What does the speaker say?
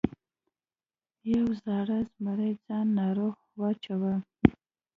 یو زاړه زمري ځان ناروغ واچاوه.